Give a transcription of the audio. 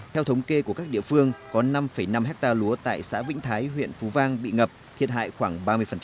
theo thống kê của các địa phương có năm năm hectare lúa tại xã vĩnh thái huyện phú vang bị ngập thiệt hại khoảng ba mươi